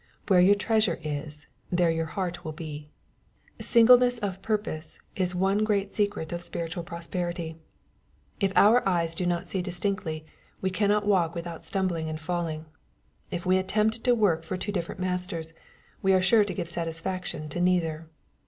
" Where your treasure is, there will your heart be." Singleness of purpose is one great secret of spiritual prosperity. If our eyes do not see distinctly, we cannot walk without stumbling and falling. If we attempt to work for two different masters, we are sure to give satis faction to neither.